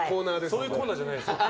そういうコーナーじゃないですよ。